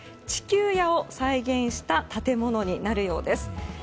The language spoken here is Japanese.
地球屋を再現した建物になるようです。